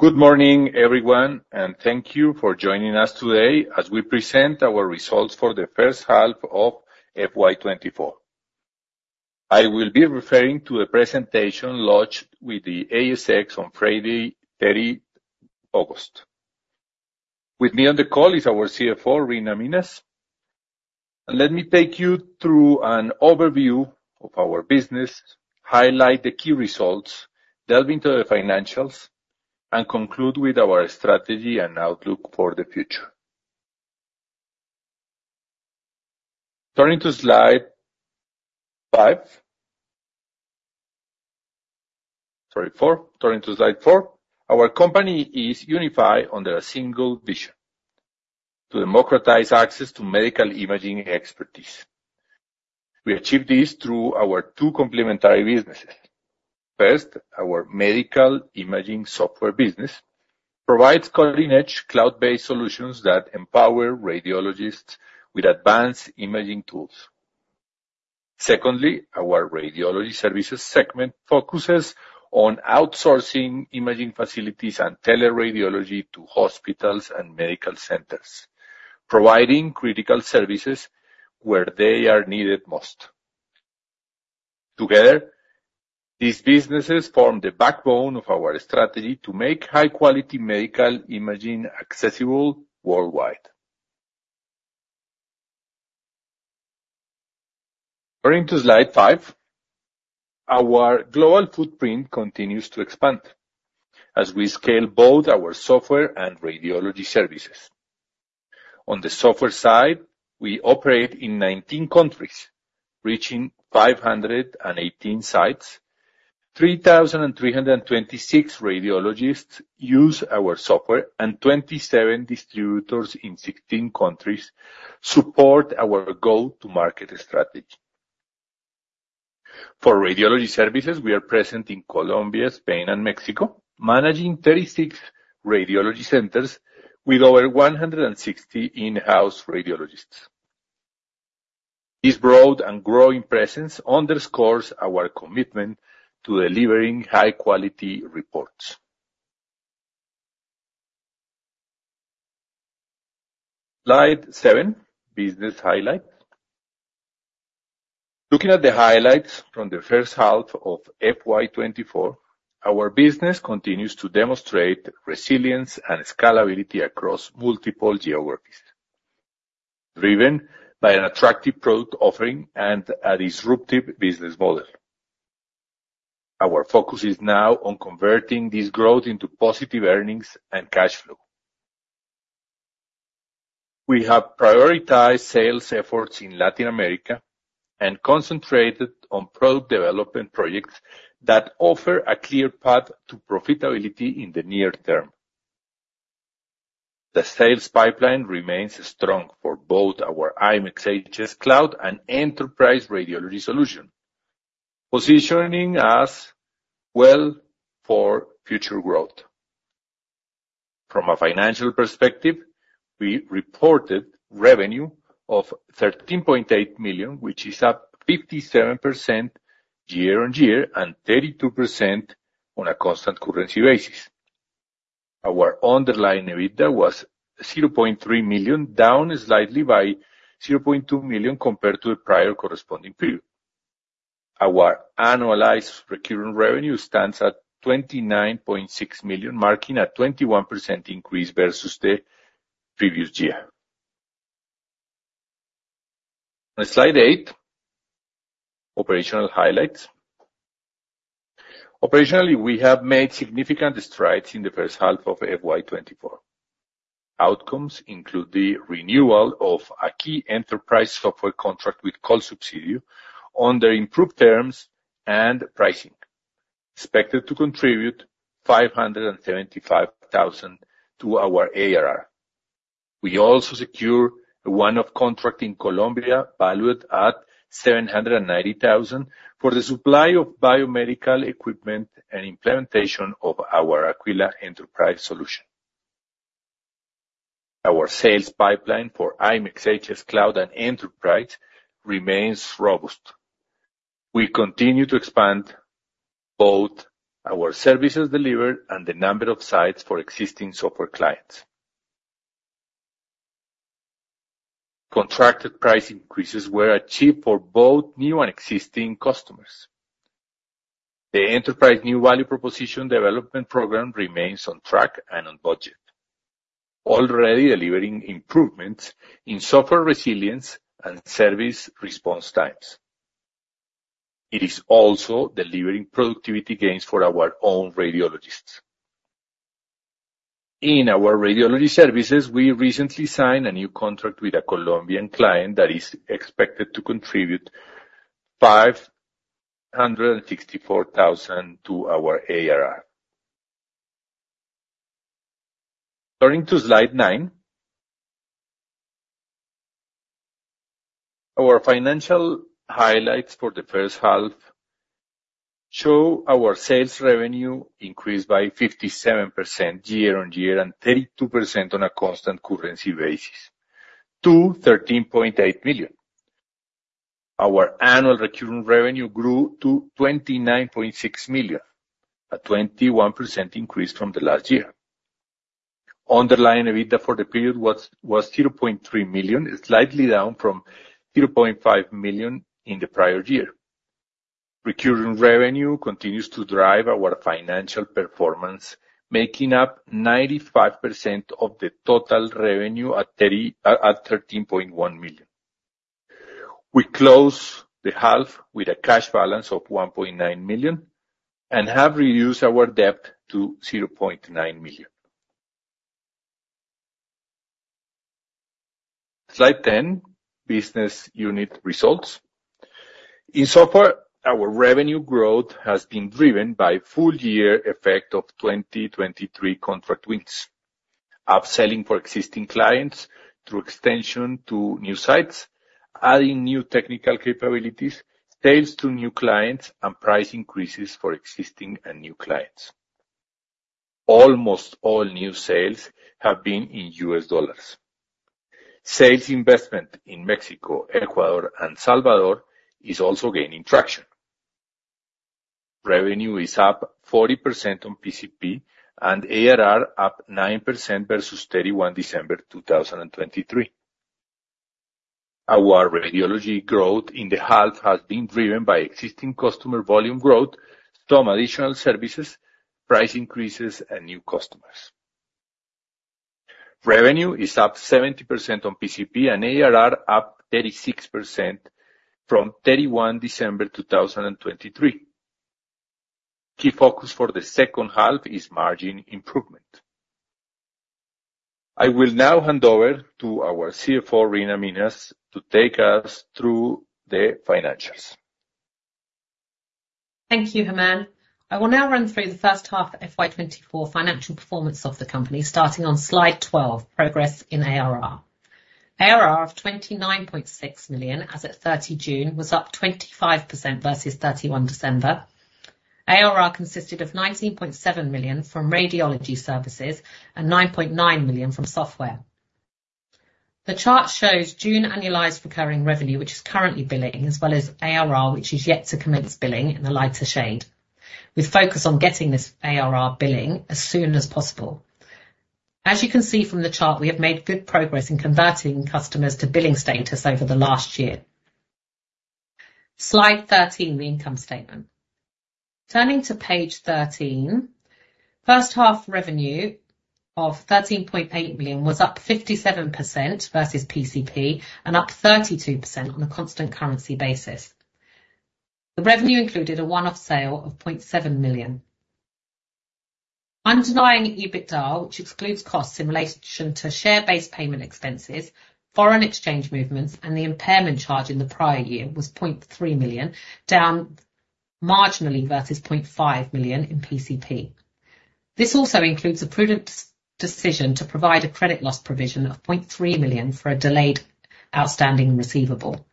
Good morning, everyone, and thank you for joining us today as we present our results for the first half of FY 2024. I will be referring to a presentation lodged with the ASX on Friday, 30 August. With me on the call is our CFO, Reena Minhas. And let me take you through an overview of our business, highlight the key results, delve into the financials, and conclude with our strategy and outlook for the future. Turning to slide five... Sorry, four. Turning to slide four. Our company is unified under a single vision: to democratize access to medical imaging expertise. We achieve this through our two complementary businesses. First, our medical imaging software business provides cutting-edge cloud-based solutions that empower radiologists with advanced imaging tools. Secondly, our radiology services segment focuses on outsourcing imaging facilities and teleradiology to hospitals and medical centers, providing critical services where they are needed most. Together, these businesses form the backbone of our strategy to make high-quality medical imaging accessible worldwide. Turning to Slide five. Our global footprint continues to expand as we scale both our software and radiology services. On the software side, we operate in 19 countries, reaching 518 sites. 3,326 radiologists use our software, and 27 distributors in 16 countries support our go-to-market strategy. For radiology services, we are present in Colombia, Spain, and Mexico, managing 36 radiology centers with over 160 in-house radiologists. This broad and growing presence underscores our commitment to delivering high-quality reports. Slide seven, business highlights. Looking at the highlights from the first half of FY 2024, our business continues to demonstrate resilience and scalability across multiple geographies, driven by an attractive product offering and a disruptive business model. Our focus is now on converting this growth into positive earnings and cash flow. We have prioritized sales efforts in Latin America and concentrated on product development projects that offer a clear path to profitability in the near term. The sales pipeline remains strong for both our IMEXHS Cloud and enterprise radiology solution, positioning us well for future growth. From a financial perspective, we reported revenue of 13.8 million, which is up 57% year-on-year and 32% on a constant currency basis. Our underlying EBITDA was 0.3 million, down slightly by 0.2 million compared to the prior corresponding period. Our annualized recurring revenue stands at 29.6 million, marking a 21% increase versus the previous year. On slide eight, operational highlights. Operationally, we have made significant strides in the first half of FY 2024. Outcomes include the renewal of a key enterprise software contract with Colsubsidio under improved terms and pricing, expected to contribute 575,000 to our ARR. We also secured a contract in Colombia, valued at 790,000, for the supply of biomedical equipment and implementation of our Aquila Enterprise solution. Our sales pipeline for IMEXHS Cloud and Enterprise remains robust. We continue to expand both our services delivered and the number of sites for existing software clients. Contracted price increases were achieved for both new and existing customers. The enterprise new value proposition development program remains on track and on budget, already delivering improvements in software resilience and service response times. It is also delivering productivity gains for our own radiologists. In our radiology services, we recently signed a new contract with a Colombian client that is expected to contribute 564,000 to our ARR. Turning to slide nine. Our financial highlights for the first half show our sales revenue increased by 57% year-on-year, and 32% on a constant currency basis to 13.8 million. Our annual recurring revenue grew to 29.6 million, a 21% increase from the last year. Underlying EBITDA for the period was 0.3 million, slightly down from 0.5 million in the prior year. Recurring revenue continues to drive our financial performance, making up 95% of the total revenue at 13.1 million. We closed the half with a cash balance of 1.9 million and have reduced our debt to 0.9 million. Slide 10, business unit results. In software, our revenue growth has been driven by full year effect of 2023 contract wins, upselling for existing clients through extension to new sites, adding new technical capabilities, sales to new clients, and price increases for existing and new clients. Almost all new sales have been in U.S. dollars. Sales investment in Mexico, Ecuador, and El Salvador is also gaining traction. Revenue is up 40% on PCP and ARR up 9% versus 31 December 2023. Our radiology growth in the half has been driven by existing customer volume growth, some additional services, price increases, and new customers. Revenue is up 70% on PCP and ARR up 36% from 31 December 2023. Key focus for the second half is margin improvement. I will now hand over to our CFO, Reena Minhas, to take us through the financials. Thank you, Germán. I will now run through the first half of FY 2024 financial performance of the company, starting on slide 12, Progress in ARR. ARR of 29.6 million, as at 30 June, was up 25% versus 31 December. ARR consisted of 19.7 million from radiology services and 9.9 million from software. The chart shows June annualized recurring revenue, which is currently billing, as well as ARR, which is yet to commence billing, in the lighter shade. We focus on getting this ARR billing as soon as possible. As you can see from the chart, we have made good progress in converting customers to billing status over the last year. Slide 13, the income statement. Turning to page 13, first half revenue of 13.8 million was up 57% versus PCP and up 32% on a constant currency basis. The revenue included a one-off sale of 0.7 million. Underlying EBITDA, which excludes costs in relation to share-based payment expenses, foreign exchange movements, and the impairment charge in the prior year, was 0.3 million, down marginally versus 0.5 million in PCP. This also includes a prudent decision to provide a credit loss provision of 0.3 million for a delayed outstanding receivable.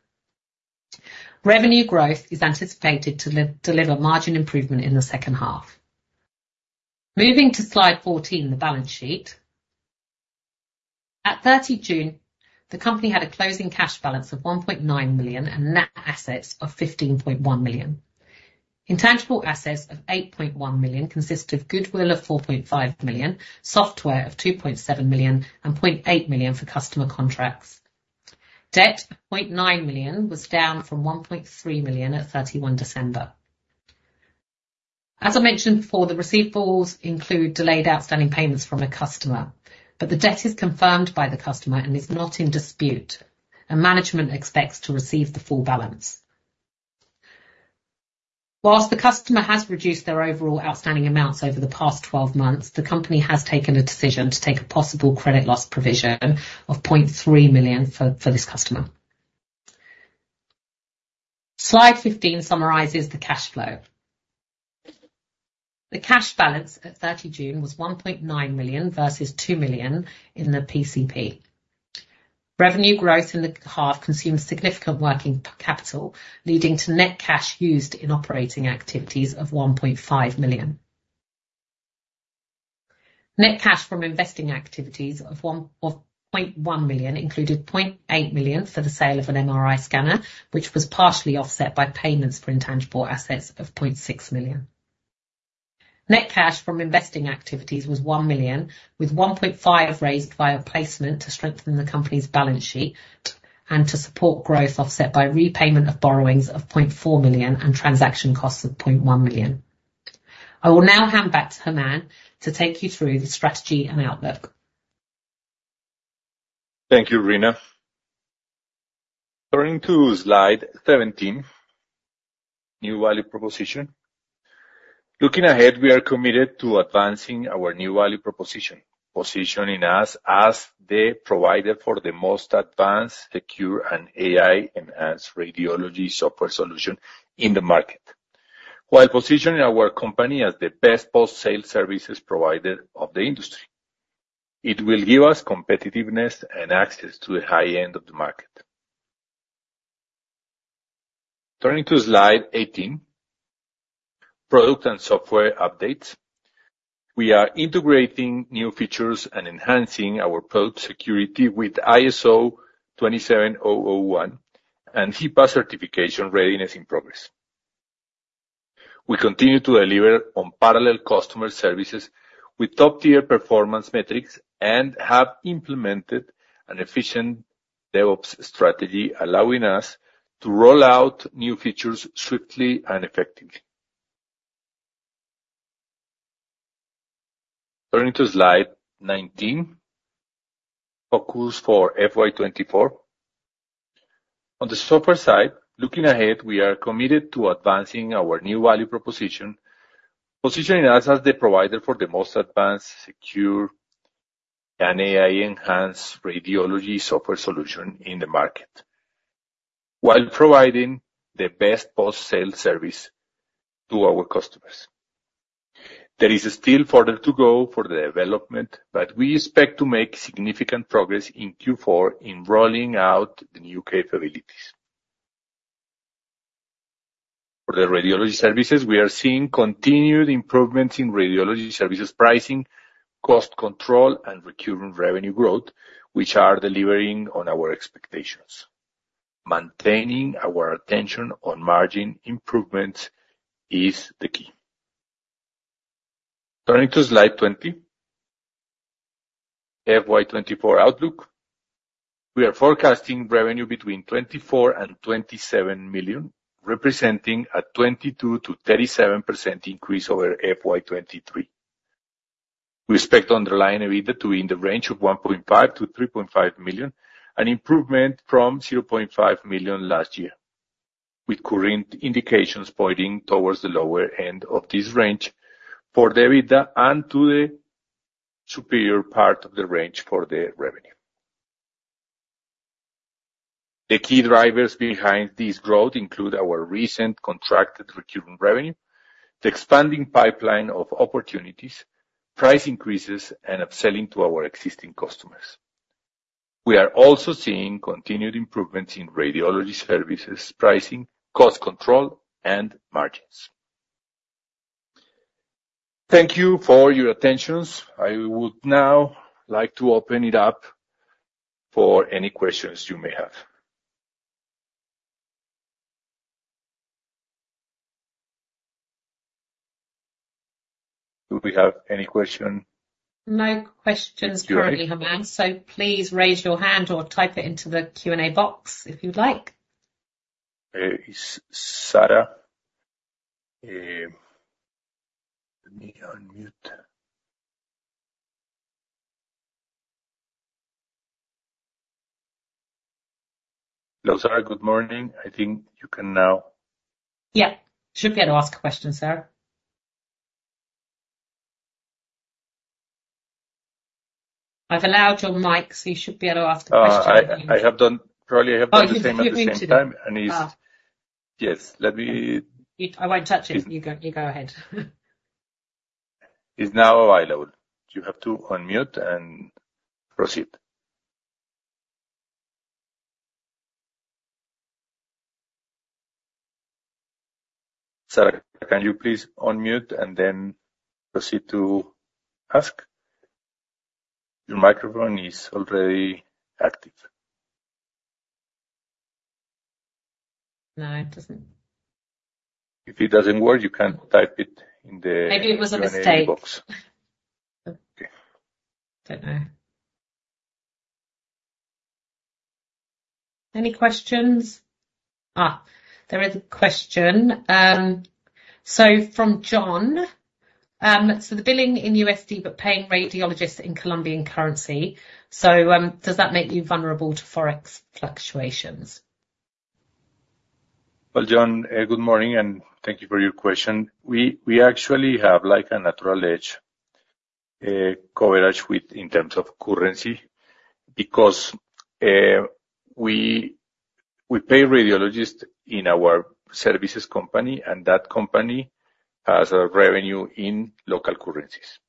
Revenue growth is anticipated to deliver margin improvement in the second half. Moving to Slide 14, the balance sheet. At 30 June, the company had a closing cash balance of 1.9 million and net assets of 15.1 million. Intangible assets of 8.1 million consisted of goodwill of 4.5 million, software of 2.7 million, and 0.8 million for customer contracts. Debt of 0.9 million was down from 1.3 million at 31 December. As I mentioned before, the receivables include delayed outstanding payments from a customer, but the debt is confirmed by the customer and is not in dispute, and management expects to receive the full balance. While the customer has reduced their overall outstanding amounts over the past 12 months, the company has taken a decision to take a possible credit loss provision of 0.3 million for this customer. Slide 15 summarizes the cash flow. The cash balance at 30 June was 1.9 million versus 2 million in the PCP. Revenue growth in the half consumed significant working capital, leading to net cash used in operating activities of 1.5 million. Net cash from investing activities of 0.1 million included 0.8 million for the sale of an MRI scanner, which was partially offset by payments for intangible assets of 0.6 million. Net cash from investing activities was 1 million, with 1.5 million raised via placement to strengthen the company's balance sheet and to support growth, offset by repayment of borrowings of 0.4 million and transaction costs of 0.1 million. I will now hand back to Germán to take you through the strategy and outlook. Thank you, Reena. Turning to slide 17: New value proposition. Looking ahead, we are committed to advancing our new value proposition, positioning us as the provider for the most advanced, secure, and AI-enhanced radiology software solution in the market, while positioning our company as the best post-sale services provider of the industry. It will give us competitiveness and access to the high end of the market. Turning to slide 18: Product and software updates. We are integrating new features and enhancing our platform security with ISO 27001, and HIPAA certification readiness in progress. We continue to deliver unparalleled customer services with top-tier performance metrics, and have implemented an efficient DevOps strategy, allowing us to roll out new features swiftly and effectively. Turning to slide 19, focus for FY 2024. On the software side, looking ahead, we are committed to advancing our new value proposition, positioning us as the provider for the most advanced, secure, and AI-enhanced radiology software solution in the market, while providing the best post-sale service to our customers. There is still further to go for the development, but we expect to make significant progress in Q4 in rolling out the new capabilities. For the radiology services, we are seeing continued improvements in radiology services pricing, cost control, and recurring revenue growth, which are delivering on our expectations. Maintaining our attention on margin improvements is the key. Turning to slide 20, FY 2024 outlook. We are forecasting revenue between 24 and 27 million, representing a 22% to 37% increase over FY 2023. We expect underlying EBITDA to be in the range of 1.5-3.5 million, an improvement from 0.5 million last year, with current indications pointing towards the lower end of this range for the EBITDA and to the superior part of the range for the revenue. The key drivers behind this growth include our recent contracted recurring revenue, the expanding pipeline of opportunities, price increases, and upselling to our existing customers. We are also seeing continued improvements in radiology services, pricing, cost control, and margins. Thank you for your attentions. I would now like to open it up for any questions you may have. Do we have any question? No questions currently, Germán. Okay. So please raise your hand or type it into the Q&A box if you'd like. Sarah, let me unmute. Hello, Sarah, good morning. I think you can now- Yeah, should be able to ask a question, Sarah. I've allowed your mic, so you should be able to ask a question. I have done... Probably, I have done the same at the same time. Ah. Yes, let me- You, I won't touch it. You go, you go ahead. It's now available. You have to unmute and proceed. Sarah, can you please unmute and then proceed to ask? Your microphone is already active. No, it doesn't. If it doesn't work, you can type it in the- Maybe it was a mistake. Q&A box. Okay. Don't know. Any questions? Ah, there is a question, so from John. So the billing in USD, but paying radiologists in Colombian currency, so, does that make you vulnerable to forex fluctuations? John, good morning, and thank you for your question. We actually have like a natural hedge, coverage within terms of currency, because we pay radiologists in our services company, and that company has a revenue in local currencies.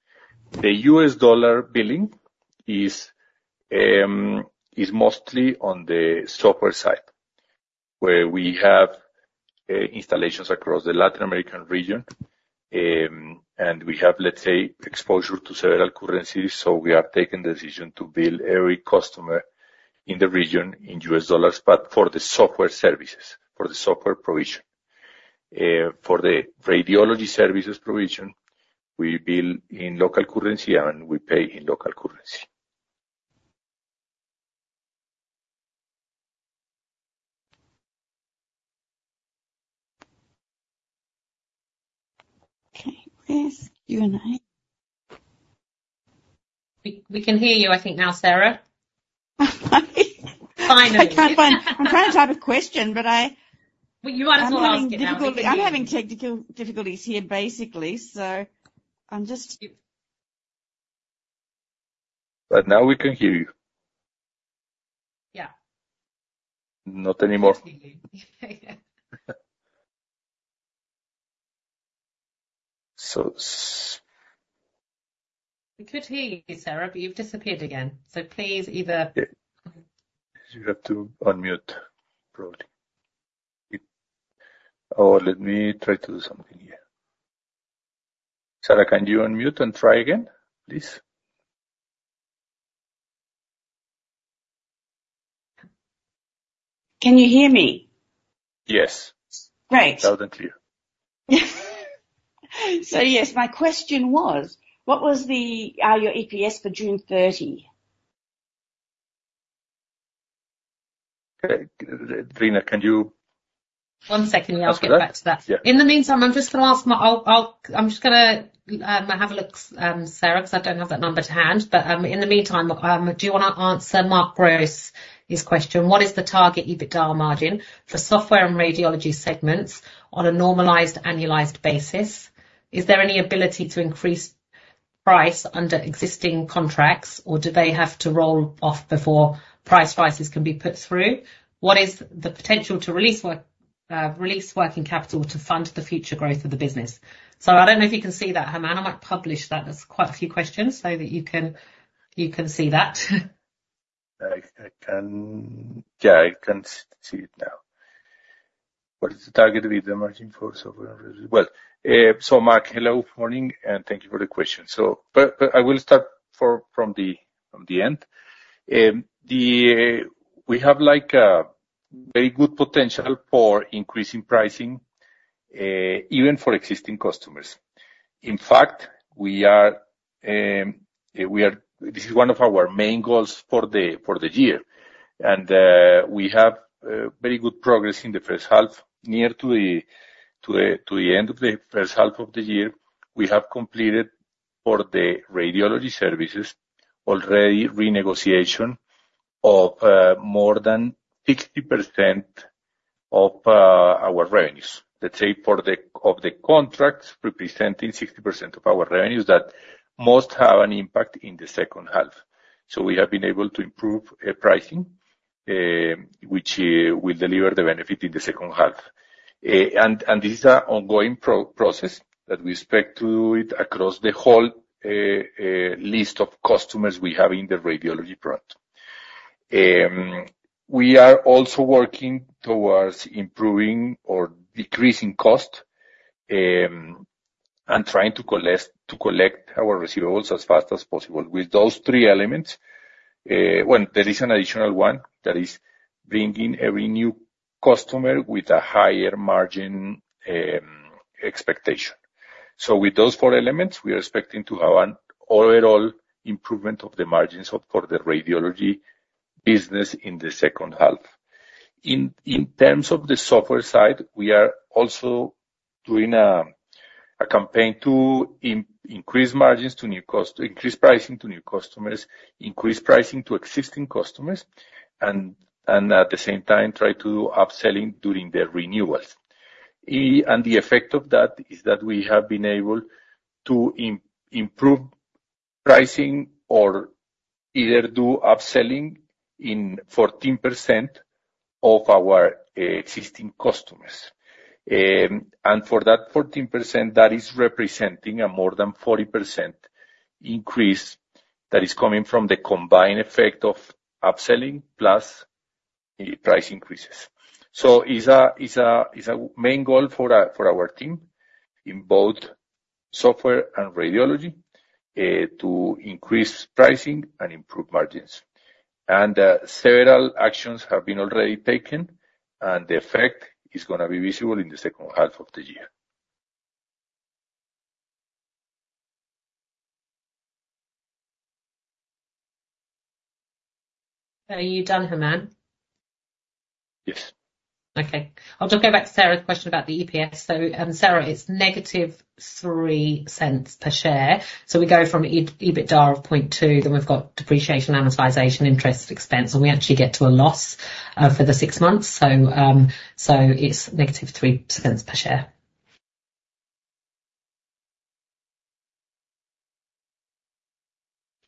The U.S. dollar billing is mostly on the software side, where we have installations across the Latin American region, and we have, let's say, exposure to several currencies. We have taken the decision to bill every customer in the region in U.S. dollars, but for the software services, for the software provision. For the radiology services provision, we bill in local currency, and we pay in local currency. Okay, where's Q&A? We can hear you, I think now, Sarah. Finally. I can't find... I'm trying to type a question. Well, you might as well ask it now. I'm having difficulty. I'm having technical difficulties here, basically, so I'm just. But now we can hear you. Yeah. Not anymore. Yes, we do. So s- We could hear you, Sarah, but you've disappeared again. So please either- Yeah. You have to unmute, probably. Or let me try to do something here. Sarah, can you unmute and try again, please? Can you hear me? Yes. Great. Loud and clear. So yes, my question was, what was the, your EPS for June thirty? Okay. Reena, can you- One second, yeah, I'll get back to that. Yeah. In the meantime, I'm just gonna have a look, Sarah, because I don't have that number to hand, but in the meantime, do you wanna answer Mark Gross's question: What is the target EBITDA margin for software and radiology segments on a normalized, annualized basis? Is there any ability to increase price under existing contracts, or do they have to roll off before price rises can be put through? What is the potential to release working capital to fund the future growth of the business, so I don't know if you can see that, Germán. I might publish that, that's quite a few questions, so that you can see that. Yeah, I can see it now. What is the target with the margin for software, as well? So, Mark, hello, morning, and thank you for the question. But I will start from the end. We have, like, a very good potential for increasing pricing, even for existing customers. In fact, we are. This is one of our main goals for the year. We have very good progress in the first half. Near to the end of the first half of the year, we have completed, for the radiology services, already renegotiation of more than 60% of our revenues. Let's say for the contracts, representing 60% of our revenues, that most have an impact in the second half. So we have been able to improve pricing, which will deliver the benefit in the second half. And this is an ongoing process that we expect to do it across the whole list of customers we have in the radiology product. We are also working towards improving or decreasing cost and trying to collect our receivables as fast as possible. With those three elements, well, there is an additional one, that is bringing every new customer with a higher margin expectation. So with those four elements, we are expecting to have an overall improvement of the margins for the radiology business in the second half. In terms of the software side, we are also doing a campaign to increase pricing to new customers, increase pricing to existing customers, and at the same time, try to do upselling during the renewals. And the effect of that is that we have been able to improve pricing or either do upselling in 14% of our existing customers. And for that 14%, that is representing a more than 40% increase, that is coming from the combined effect of upselling plus price increases. So it is a main goal for our team in both software and radiology to increase pricing and improve margins. Several actions have been already taken, and the effect is gonna be visible in the second half of the year. Are you done, Germán? Yes. Okay. I'll just go back to Sarah's question about the EPS. So, Sarah, it's negative 0.03 per share. So we go from EBITDA of 0.2, then we've got depreciation, amortization, interest expense, and we actually get to a loss, for the six months. So, so it's negative 0.03 per share.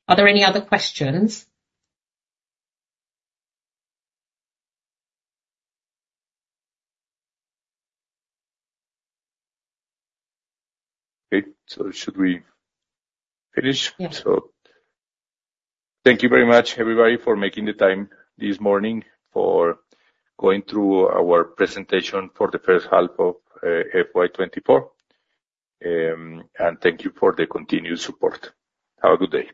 Are there any other questions? Okay, so should we finish? Yes. Thank you very much, everybody, for making the time this morning, for going through our presentation for the first half of FY 2024, and thank you for the continued support. Have a good day.